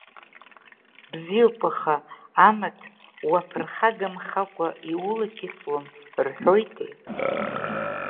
Бзиоуп, аха амаҭ уаԥырхагамхакәа иулакьысуам рҳәоитеи…